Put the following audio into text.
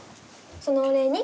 そのお礼に。